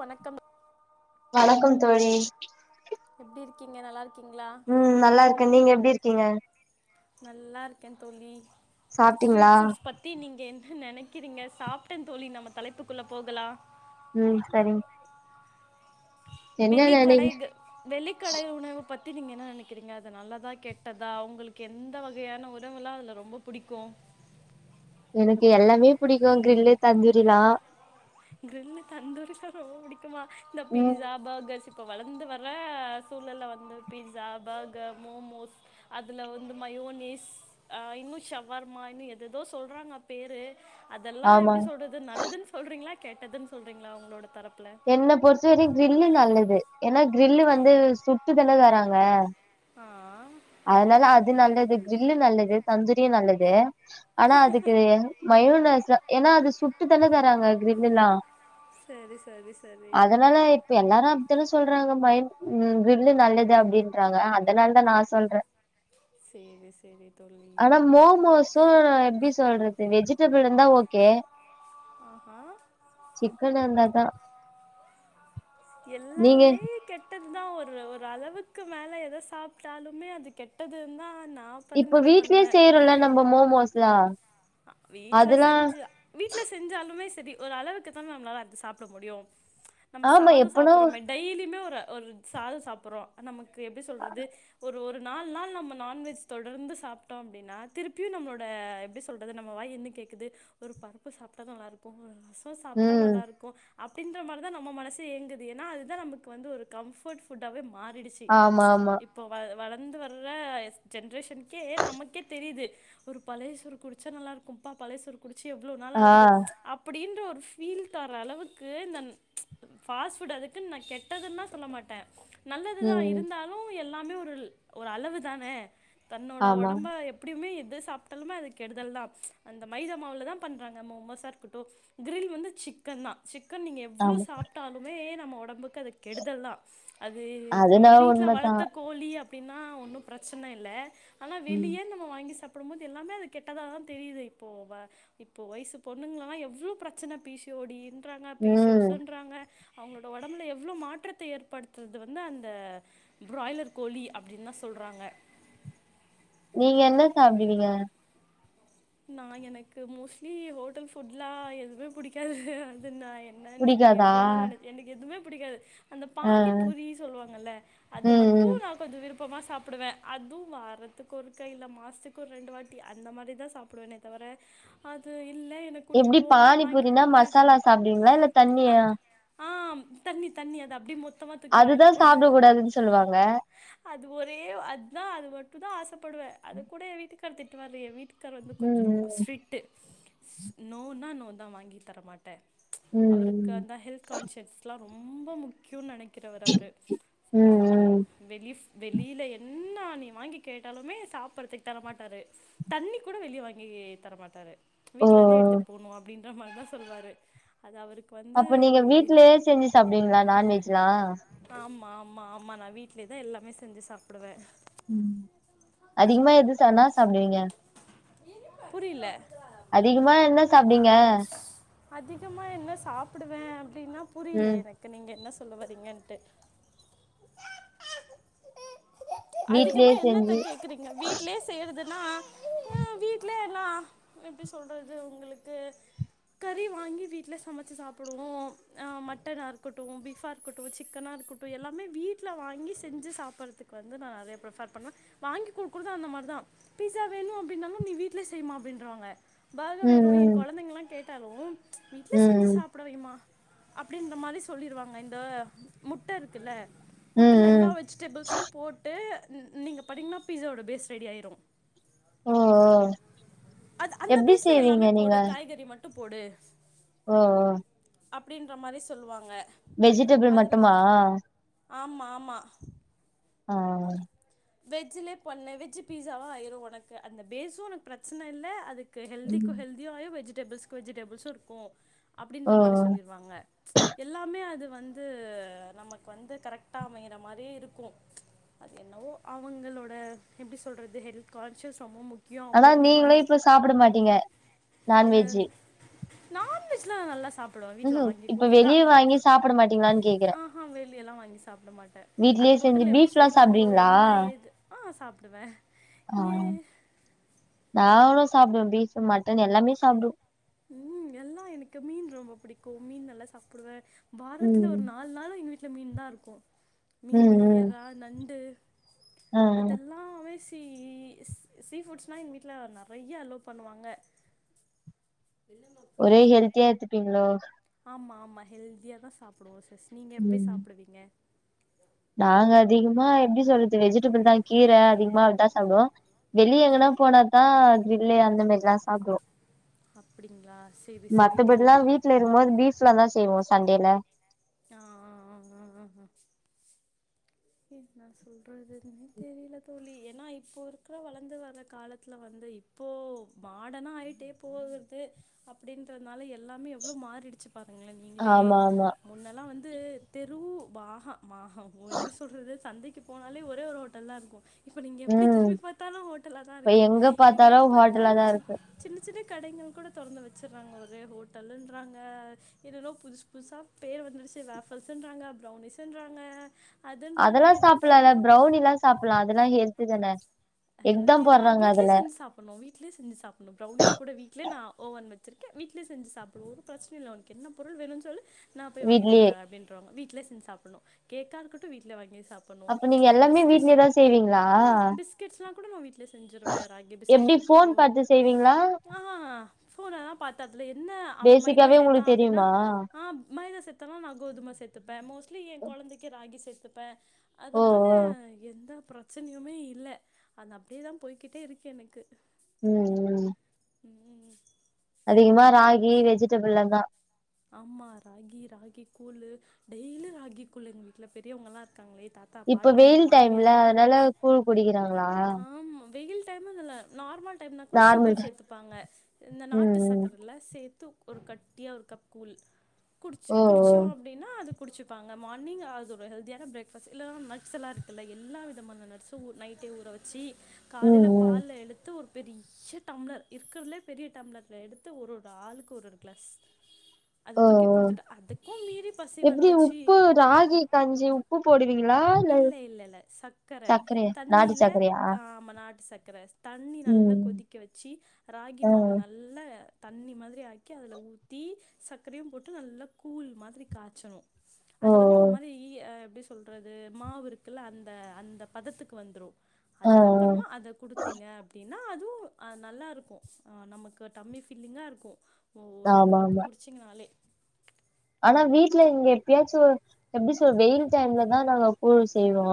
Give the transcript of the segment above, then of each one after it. வணக்கம் வணக்கம் தோழி எப்படி இருக்கீங்க நல்லா இருக்கீங்களா உம் நல்லா இருக்கேன் நீங்க எப்படி இரு கீங்க நல்லா இருக்கேன் தோழி சாப்ட்டீங்களா ஸ்ட்ரீட் ஃபுட்ஸ் பத்தி நீங்க என் நெனக்கிறிங்க சாப்ட்டேன் தோழி நம்ம தலைப்புக்குள்ள போகலா உம் சரிங் வெளிக்கடைது வெளிக்கடை உணவுப் பத் த்தி நீங்க என்ன நெனக்கிறிங்க அது நல்லதா கெட்டதா உங்ளுக்கு எந்த வகையான உணவெல்லாம் அதுல ரொம்ப புடிக்கு எனக்கு எல்லாமே புடிக்கு க்ரில்லு தந்துரிலா க்ரில்லு தந்துரிலா ரொம்ப புடிக்குமா இந்த ம் பீஸ்ஸா பகர்ஸ் இப்ப வளந்து வர சூழல்ல வந்து பீஸ்ஸா பர்கர் மோமோஸ் அதில வந்து மயோனிஸ் இன்னு ஷவர்மா இன்னு எதேதோ சொல்றாங்க பேரு அதல்லாம் எப்டி ஆமாங் சொல்றது நல்லதுன் சொல்றிங்ளா கெட்டதுன் சொல்றிங்ளா உங்ளோட தரப் என்ன பொற்த்த வர்யு க்ரில்லு நல்லத் ஏனா க்ரில்லு வந்து சுட்டு தான தராங்க ஆ அதனால அது நல்லது க்ரில்லு நல்லது தந்தரியு நல்லது ஆனா அதுக்கு மயூனஸ்ஸா ஏனா அது சுட்டு தான தராங்க க்ரில்லுல்லாம் சரி சரி சரி அதனால இப்ப எல்லாரு அப்தான சொல்றாங்க மைண் உ க்ரில்லு நல்லது அப்டின்றாங்க அதனால தா நா சா சொல்ற சேரி சேரி தோழி அனா மோம்மோஸ்ஸூ எப்டி சொல்றது வெஜிட் ட்ச்சப் இருந்தா ஓக்கே ஆஹா சிக்கன் அந்தா தா எல்லாமே கெட் டது தா ஒரு ஒரு அளவுக்கு மேல எத சாப்ட்டாலுமே அது கெட்டது தா நா இப்ப வீட்லயே செய்றோல நம்ப மோமோஸ்லா வீட்ல அதெல்லா செஞ்சு வீட்ல செஞ்சால் மே செரி ஒரு அளவுக்கு தான நம்ளால அத் சாப்ட முடியு நம்ம ஆமா சாதோ எப்பனா சாப்புறோமே டெய்லிமே ஒரு ஒரு சாதோ சாப்புறோ நமக் கு எப்டி சொல்றது ஒரு ஒரு நால் நாள் நம்ப நான்வெஜ் தொடர்ந்து சாப்ட்டோ அப்டினா திருப்பியு நம்ளோட எப்டிஸ் என்ன சொல்றது நம்ம வாய் என்ன கேக்குது ஒரு பருப்பு சாப்பிட்டாதா நல்லாருக்கும்னு ஆச [unintelligible] சாப்ட்டா ம் நல்லாருக்கோ அப்டின்ற மாறி தா நம்ப மனசு ஏங்குது ஏன்னா அது தா நமக் வந்து ஒரு கம்ஃபர்ட் ஃபுட்டாவே மாறிடுச்சி ஆமா ஆமா இப்போ வள வளந் வந்து வர்ற ஜெனரேஷனுக்கே நமக்கே தெரியுது ஒரு பழையசோறு குடுத்து ச்சா நல்லாருக்கும்ப்பா பழய சோறு குடிச்சு எவ்ளோ நாள் ஆ ஆகுது அப்படின்னு ஒரு ஃபீல் தரளவுக்கு இந்த ஃபாஸ்ட் ஃபுட் நா கெட்டதுன்லா சொல்ல மாட்டே நல்லதுதா ம் இருந்தாலு எல்லா இன்னுருல் ஒரு அளவு தானே தன்னோட ஆமா உடம்ப எப்படியுமே எது சாப்ட்டாலுமே அதுக் கெடுதல் தான் அந்த மைதா மாவுல தான் பண்றாங்க மோமோசா இருக்கட்டு கிரில் வந்து சிக்கன் தா சிக க்கு நீங்க எவ்ளோ ஆமா சாப்டாலுமே ஆமா ஒடம்புக் அது கெடுதல் தா அது நம்ம அதுனா வீட்ல உண்மதா வளத்த கோழி அ அப்டின்னா ஒன்னு ப்ரச்சனை இல்ல ஆனா ம் வெளியே நம்ம வாங்கி சாப் படும்போது எல்லாமே அது கெட்டதாதா தெரியுது இப்போ இப்போ வயசு பொண்ணுங்களல்லா எவ்ளோ பிரச்சனை பீ சி ஓ டி றாங்க ம் பிசோர்ஸறாங்க அவங்களோட உடம்புல எவ்வளோ மாற்றத்தை ஏற்படுத்துறது வந்து அந்த பிராய்லர் கோழி அப்படின்னு தா சொல்றாங்க நீங்க என்ன சாப்பி்டுவீங்க நா எனக்கு மோஸ்ட்லி ஹோட்டல் ஃபுட் லா எதுவுமே புடிக்காது அது நா என்னனு நீங்க புடிக்காதா எப்டி வேணாலு நனைச்ச எனக்கு எதுவுமே ப் புடிக்காது அந்த ஆ பானி பூரி சொல்வாங்கல்ல அது ம் மட்டு ம் நா கொஞ்சோ விருப் ப்போமா சாப்புடுவே அதுவும் வாரத்துக்கு ஒருக்கா இல்ல மாசத்துக்கு ஒரு ரெண்டு வாட்டி அந்த மாரி தா சாப் ப்புடுவேனே தவர அது என்ன கூட்டிட்டு எப்டி போங்க பானி வாங்கி பூரினா குடுங்க மசாலா சாப்டுவீங்களா இல்ல தண்ணியா ஆம் தண்ணி தண்ணி அத அப்டே மொத் தமா தூக்கி வாய்ல அதுதா போட்ற சாப்ட கூடாதுன்னு சொல்லுவாங்க அது ஒரே அத்தா அது மட்டும் தா ஆசப்படுவே அது கூட என் வீட்டுக்கார் திட்டுவாரு என் வீட்டுக்காரு கொஞ்சோ ரொம்ப ம் ஸ்ட்ரிக்டு நோனா நோ தா வாங்கி தரமாட் ட ம் அவருக்கு ம் அந்த ஹெல்த் கான்சியஸ்ல்லா ரொம்போ முக்கியோன் நனைக் கிறவரு அவரு சா ம் ம் இந்த லிஃப் வெளியில என்னா நீ வாங்கி கேட்டாலுமே சாப்புட்றதுக்கு தரமாட்டாரு தண்ணி கூட வெளிய வாங் மீ தரமாட்டாரு ஓ வீட்லந்தே ஓ எடுத்துட்டு போணு அப்புடின் இந்த மார் தா சொல்வாரு அது அவருக்கு வந்து அப்ப நீங்க ஒரு வீட்லயே செஞ்சு சாப்டுவீங்களா நான்வெஜ்லா ஆமா ம்மா ஆமா நா வீட்லே தா எல்லாமே செஞ்சு சாப்புடுவே அதிகமா எது சனா சாப்டுவீங்க புரில அதிகமா என்ன சாப்டுவீங்க அதிகமா என்ன சாப்புடுவே அப்டின்னா புரில ம் எனக்கு நீங்க என்ன ஸ் சொல்ல வரீங்கன்ட்டு வீட்லயே அதிகமா என்னத்த செஞ்சு கேக்குறீங்க வீட்லே செய்யறது மா மே எல்லா எப்டி சொல்றது உங்குளுக்கு கறி வாங்கி வீட்ல சமைச்சு சாப்புடுவோ ஆ மட்டனா இருக்கட்டும் பீஃபா இருக்கட்டும் சிக்கனா இருக்கட்டும் எல்லாமே வீட்ல வாங்கி செஞ்சு சாப்புட்றதுக்கு வந்து நா நறைய ப்ரீஃபர் பண்ணுவே வாங்கி குடுக்குறது அந்த மாரி தா பீஸா வேணும் அப்பின்னாலு நீ வீட்ல செய்மா அப்பின்றாங்க பாக வேரு என் ம் ம் கொழந்தைங்ல்லா கேக் தாலும் வீட்ல செஞ்சு ம் சாப்புட வேம்மா அப்டின்ற மாரி சொல்லிருவாங்க இந்த முட்ட இருக்குல்ல ம் ம் முட்டல்ல எல்லா ம் வெஜிடேபிள்ஸும் போட்டு ந் நீங்க பாத்தீங்ன்னா பீஸாவோட பேஸ் ரெடி ஆயிரும் ஓ ஓ அது அந்த எப்டி பேஸ்ல செய்வீங்க எல்லாமே போடு காய்கறி மட் ட்டு போடு ஹ ஹ் அப்டின்ற மாரி சொல்வாங்க வெஜிடபிள் மட்டுமா ஆமா ஆமா ஆஹ் வெஜ்ஜலே பண்ணல வெஜ் பீஸாவா ஆயிரும் உனக்கு அந்த பேஸும் உனக்கு பிரச்சன இல்ல அதுக்கு ம் ஹல்திக்கு ஹல்தி ஆயிரு வெஸ் பிள் வெஜிடேபிள்ஸும் இருக்கு ஓ அப்டின்ற மாரி ஓ சொல்லிடுவாங்க எல்லாமே அது வந்து நமக்கு வந்து கரெக்டாக அமையிற மாரியே இருக்கு அது என்னவோ அவங்களோட எப்டி சொல்றது ஹெல்த் கான்ஷியஸ் ரொம்ப முக்கிய ஆனா நீங்களு இப்ப சாப்பிட மாட்டீங்க நான்வெஜ்ஜு நான்வெஜ்ல நல்ல சாப்ப வீட்ல ம்ஹூம் வாங்கி இப்ப குடுத்தா வெளிய வாங்கி சாப்ட மாட்டீங்களான்னு கேக்குறே ஆஹ்ஹ வெளிய எல்லா வாங்கி சாப்பிட மாட்ட வீட்லயே அந்த செஞ்சு ஹோட்டல்ல எப்டி பீஃப்லா செய்வாங்களோ சாப்டுவீங்களா [unintelligible] ஆ சாப்பிடுவே ஆஹ் நானு சாப்டுவே ஃபீப் மட்டன் எல்லாமே சாப்டுவே ஊம் எல்லா எனக்கு மீன் ரொம்ப பிடிக்கு மீன் நல்லா சாப்புடுவே வாரத்துல ம் ஒரு நால் நாளு எங்க வீட் ட்ல மீன் தா இருக்கு ம் மீனு ம் எறா நண்டு ஆ ஆ அதெல்லாம்மே சீ சீ ஃபுட்ஸ்னா எங்க வீட்ல நெறைய அலோ பண்ணுவாங்க ஒரே ஹெல்த்தியா இருத்துப்பீங்ளோ ஆமா ஆமா ஹெல்த்தியா தா சாப்டுவோ நீங்க எப்டி ம் சாப்புடுவீங்க நாங்க அதிக்கமா எப்டி சொல்து வெஜிடபிள் தா கீர அதிக்மா அப்தா சாப்டுவோ வெளிய எங்கனா போனாத்தா க்ரில்லு அந்தெ மேர்ஜ்லா சாப்டுவோ அப்டிங்களா செரி செரி தோழி மத்தபெட்லா வீட்ல இருந்தா பீஃப்ல தா செய்வோ சண்டேல ஹ் ஆஹ் ஆம் என்னா சொல்றதுன்னே தெரில தோழி ஏன்னா இப்போ இருக்ற வளந்து வர்ர காலத்ல வந்து இப்போ மாடனா ஆயிட்டே போகுது அப்டின்றத்னால எல்லாமே எவ்ளோ மாறிடுச்சு ஆமா ஆமா தே தெரூ பாஹா மாஹா ஒரு எப்டி சொ சொல்றது சந்தைக்கு போனாலே ஒரே ஒரு ஹோட்டல் தா இருக்கு இப்ப நீங்க எப்டி ம் திரும்பி பாத்தாலு ஹோட்டலா தா இப்ப இருக்கு எங்க பாத்தாலு ஹோட்டலா பாத்தாலு தா சின் இருக்கு சின்ன சின்ன கடைங்கள் கூட தொறந்து வச்சுட்றாங்க ஒரே ஹோட்டலுன்றாங்க எதுளோ புதுஸ் புதுசா பேரு வந்துருச்சு வேஃபல்ஸ்ன்றாங்க ஃப்ரௌனிஸ்ன்றாங்க அதெல்லா சாப்லால்ல ஃப்ரௌனில்லா சாப்லா அதெல்லா ஹெ ல்து தான எக் ஹெல்தி தா போட்றாங்க வீட்லே அதுல செஞ் சாப்புணு வீ்ட்லே செஞ் சாப்புணு ப்ரௌனிஷ் கூட வீட்லே நா ஓவன் வச் சுர்க்கே வீட்லே செஞ் சாப்ருவோ ஒரு பிரச்னில்ல உன்க் என்ன பொருள் வேணுன் சொல்லு நா போய் வாங்கிட் வந் வீட்லயே தரே அப்டின்ருவாங்க வீ ட்லே செஞ் சாப்புன்னு கேக்காருக்குட்டு வீட்லே வாங் அப்ப நீங்க எல்லாமே வீட்லேதா செய்வீங்ளா நா கூட நா வீட்லே செஞ்சிருவே ராகி பிஸ்கேட்ருக்கட்டூ ஃபோன் பாத்து செய்வீங்களா ஆஹா ஹா ஃபோன் ஆ பாத்தாது ப்ற என்னா அவ மைதா பேசிக்காவே சேத்தா உங்களுக்கு அப்டின்னா தெரியுமா ஆப் மைதா சேத்தான்னா நா கோதும சேத்துப்பே மோஸ் ட்லி எ கொழந்தைக்கே ராகி சேத்துப்பே ஓ அதனால ஓ எந்தப் பிரச்சனுயுமே இல்ல அது அப்படியேதா போய்கிட்டே இருக்கு எனக்கு உம் உம் அதிகமா ராகி வெஜிடேபிள்ள தா ஆமா ராகி ராகி கூழு டெய்லி ராகி கூழு எங்க வீட்ல பெரியவங்க எல்லா இரு க்காங்கள தாத்தா இப்ப பாட்டி எ வெயில் டைம்ல மாமியாரு அதனால கூழ் குடிக்கிறாங்களா ஆமா வெயில் டைமினு இல்ல நார்மல் டைம்ல கூட நார்மல் சுகர் டை சேர்த்துப்பாங்க இந்த ம் நாட்டு ம் சர்க்கரை எல்லாம் சேர்த்து ஒரு கட்டியா ஒரு கப் கூழ் குடிச்சு ஓ குடிச்சோ ஓ அப்பிடினா அதுக் குடுச்சப்பாங்க மார்னிங் ஆது ஒரு ஹெல்தியான பிரரேக்ஃபாஸ்ட் இல்லாம் நட்ஸ் எல்லா இருக்குல எல்லா விதமான நட்ஸு நைட்டே ஊற வெச்சு ம் காலைல ம் பால்ல எடுத்து ஒரு பெரிய டம்ளர் இருக்கறதுலயே பெரிய டம்ளரில எடுத்து ஒரு ஒரு ஆளுக்கு ஒரு ஒரு கிளாஸ் அது ஓ தூக்கி ஓ குடுத்துட்டு அதுக்கு மீறி பசி எப்டி வந்துச்சு உப்பு ராகி கஞ்சி உப்பு போடுவீங்களா இல்ல இல்ல இல்ல சக்கரே சக்கரையா தண்ணி நாட்டு இல்ல சக்கரையா ஆ ஆமா நாட்டு சக் கர தண்ணி நல்லா ம் கொதிக்க வெச்சு ராகி ஆ மாவே நல்ல தண்ணி மாதிரி ஆக்கி அதுல ஊத்தி சக் கரையு போட்டு நல்லா கூழ் மாதிரி காச்சணு ஓ ஓ அது வந்து ஒரு மாரி இ அ எப்டி சொல்றது மாவுவிருக்குல அந்த அந்த பதத்துக்கு வந்துடு ஆ அதுக்கப்புறமா ஆ அத குடுத்தீங்க அப்டின் னா அதுவு அ நல்லா இருக்கு ஆ நமக்கு டம்மி ஃபில்லிங்கா இருக்கு ஆமா ஆமா னாலே ஆனா வீட்டுல இங்க எப்பயாச்சு எப்படி சொ வெயில் டைம்லதா நாங்க கூழ் செய்வோ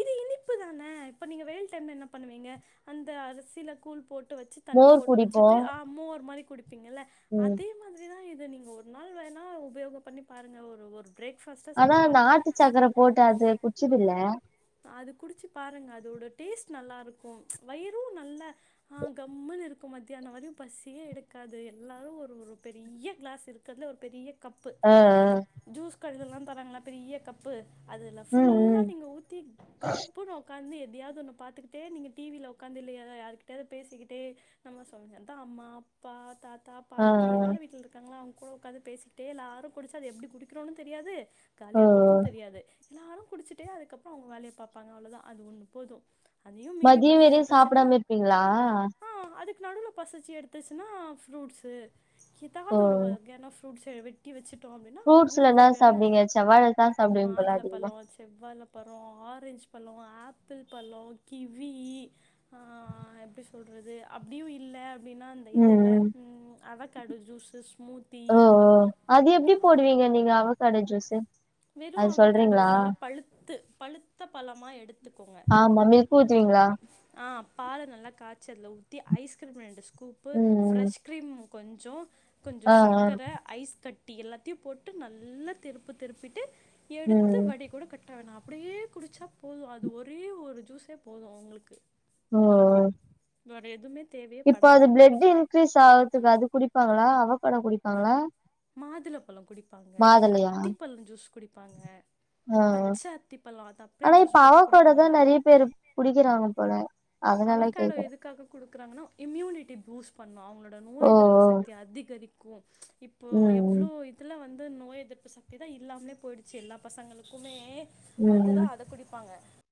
இது இனிப்பு தானே இப்ப நீங்க வெய்ல் டைம்ல என்ன பண்ணுவீங்க அந்த அரிசியில கூழ் போட் டு வச்சு தண்ணி மோர் போட்டு குடிப்போ வெச்சுட்டு அ மோர் மாரி குடி ப்பிங்கல்ல ம் அதே மாதிரிதா இ து நீங்க ஒரு நாள் வேணா உபயோக பண்ணி பாருங்க ஒரு ஒரு பிரேக்ஃபாஸ்ட்டாக ஆனா செஞ்சு பாருங்கள் நாட்டு சக்கர போட்டு அது குட்ச்சதில்ல அது குடிச்சு பாருங்க அதோட டேஸ்ட் நல்லாருக்கு வயிறு நல்ல அ கம்முன்னு இருக்கு மத்தியான வரே பசியே எடுக்காது எல்லாரு ஒரு ஒரு பெரிய கிளாஸ் இருக்கிறதுல ஒரு பெரிய கப்பு ஆ ஆ ஜூஸ் கலுகெல்லா தராங்களா பெரிய கப்பு அதுல ம் ஃபுல்லா ம் நீங்க ஊத் தி கப்புனு உக்கா ந்து எதையாது ஒன்னு பாத்துக்கிட்டே நீங்க டி வி யில உட்காந்து இல்லைய யாருக்கிட்டாது பேசிக்கிட்டே நம்ம சொன்ந்த தா அம்மா அப்பா தாத் தா ஆ பாட்டி ஆ எல்லாரு வீட்டுல இருக்காங்களா அவங் கூட உக்காந்து பேசிகிட்டே எல்லாரு குடிச்சா அத எப்படி குடிக்கறோனு தெரியாது ஓ காலிய ஆக்குறது தெரியாது எல்லாரு குடிச்சுட்டே அதுக்கப் றோ அவங்க வேலைய பாப்பாங்க அவ்வளோதா அது ஒன்னு போது அதையு மீறி மதியம் பசி வெறியு எடுத்துச்சுன்னா சாப்பிடாம இருப்பீங்களா ஆ அதுக்கு நடுவுல பசிச்சி எடுத்துச்சுன்னா ஃப்ரூட்ஸு ஓ எதாவது ஒரு வகையான ஃப்ரூ ஃப்ரூட்ஸ்ஸ வெட்டி வச்சு ட்டோ அப்படின்னா அவுங்க ஃப்ரூட்ஸ்ல அவுங்களுக்கு என்னா சாப்டுவீங்க தேவையானது செவ்வாழதா சாப்டுவீங்க போல மாதுள அதிகமா பழோ செவ்வால ஆரஞ்சு பழோ ஆப்பிள் பழோ கிவ்வி சொல்றது அப்படியு இல்ல அப்படின்னா அந்த ம் இதுல ம் உம் அவகாடு ஜூஸஸ் ஸ்மூத்தி ஓ ஓ அது எப்டி போடுவீங்க நீங்க அவக்காடோ ஜூஸு வெறு அது அவக்கேடோ சொல்றீங்களா நல்லா பழுத்து பழுத்த பழமா எடுத்துக்கோங்க ஆமா மில்க் ஊத்துவீங்களா ஆஹ் பால நல்லா கா ச்சி அதுல ஊத்தி ஐஸ்கிரீம் ரெண்டு ஸ் கூப்பு ம் ம் ஃபிரஷ்க் கீரீமு கொஞ்சோ கொஞ்ச ஆ ஆ சக்கர ஐஸ் கட் டி எல்லாத்தையு போட்டு நல்லா திருப்பு திருப்பி எடுத்து ம் ம் வடி கூட கட்ட வேணா அப்டியே குடிச்சா போது அது ஒரே ஒரு ஜூஸே போது அவங்களுக்கு ம் ம் [unintelligible] எதுமே இப்ப அது பிளட் இன்கிரீஸ் ஆவுறதுக்கு அது குடிப்பாங்ளா அவகாடொ குடிப்பாங்ளா [inaudible] மாதுளப்பழோ குடிப்பாங்க அத்திப்பழம் ஜூஸ் குடிப்பாங்க ஆ ஆ பச்ச அத்திப்பழோ ஆனா இப்ப அவக்காடோ தா நறைய பேரு குடிக்கிறாங்க போல [inaudible] அவகேடோ கேக்குறே எதுக்காக குடுக்குறாங்கன்னா இம்யூனிட்டி பூஸ்ட் அவங்களோட நோய் ஓ எதிர்ப்பு ஓ சக்தி அதிகரி [inaudible] இப்போ ம் எவ்ளோ இதுல வந்து நோய் எதிர்ப்பு சக்தி தா இல்லாமலே போயிடுச்சு எல்லா பசங்களுக்குமே ம் ம் அதுதா அத குடிப்பாங்க